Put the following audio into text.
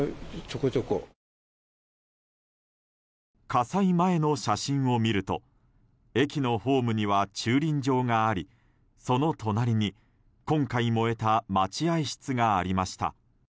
火災前の写真を見ると駅のホームには駐輪場がありその隣に今回、燃えた待合室がありました。